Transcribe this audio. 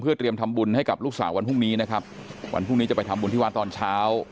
เตรียมทำบุญให้กับลูกสาววันพรุ่งนี้นะครับวันพรุ่งนี้จะไปทำบุญที่วัดตอนเช้า